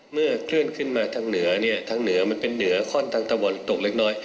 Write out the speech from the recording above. เมื่อเคลื่อนขึ้นมาทางเหนือเนี่ยทางเหนือมันเป็นเหนือข้อนทางตะวันตกเล็กน้อย